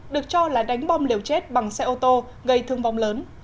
được cho là đánh bom liều chết bằng xe ô tô gây thương vong lớn